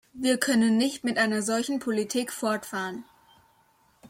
Wir können nicht mit einer solchen Politik fortfahren.